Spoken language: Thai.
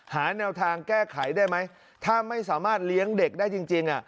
หาแนวทางแก้ไขได้ไหมถ้าไม่สามารถเลี้ยงเด็กได้จริง